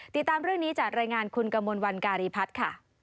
ติดตามเรื่องนี้จากรายงานคุณกมลวันการีพัฒน์ค่ะ